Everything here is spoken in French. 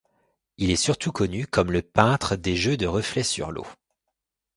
Il est surtout connu comme le peintre des jeux de reflets sur l’eau.